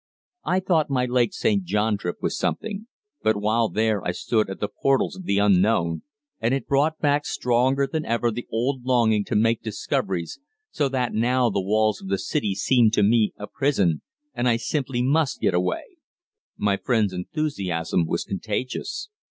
I thought my Lake St. John trip was something, but while there I stood at the portals of the unknown, and it brought back stronger than ever the old longing to make discoveries, so that now the walls of the city seem to me a prison and I simply must get away." My friend's enthusiasm was contagious.